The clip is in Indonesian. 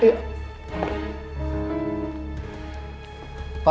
makan dulu pak